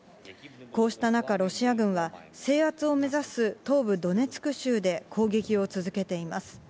こうした中、ロシア軍は制圧を目指す東部ドネツク州で攻撃を続けています。